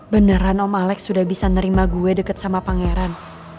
beneran om alex sudah bisa nerima gue deket sama pangeran